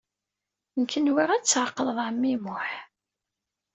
Nekk nwiɣ ad tɛeqleḍ ɛemmi Muḥ.